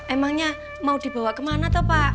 emangnya mau dibawa ke mana pak